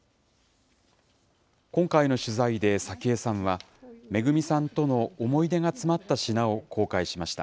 今回の取材で早紀江さんは、めぐみさんとの思い出が詰まった品を公開しました。